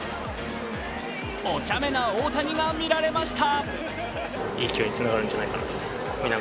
おちゃめな大谷が見られました。